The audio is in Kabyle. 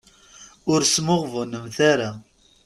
Ur smuɣbunemt ara.